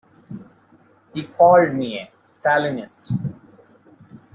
He called me a Stalinist.